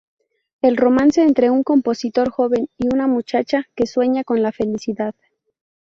El romance entre un compositor joven y una muchacha que sueña con la felicidad.